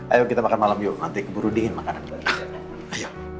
ayo kita makan malam yuk nanti keburu dingin makanan kita